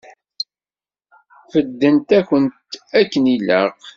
Bedden-akent akken ilaq?